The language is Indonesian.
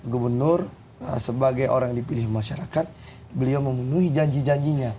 gubernur sebagai orang yang dipilih masyarakat beliau memenuhi janji janjinya